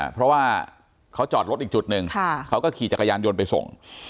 เพราะว่าเขาจอดรถอีกจุดหนึ่งเขาก็ขี่จักรยานยนต์ไปส่ง